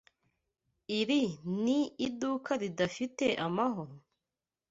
Iri ni iduka ridafite amahoro?